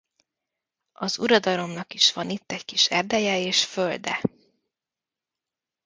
Az uradalomnak is van itt egy kis erdeje és földe.